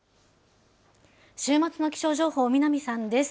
週末の気象情報、南さんです。